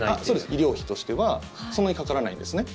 医療費としてはそんなにかからないんですね。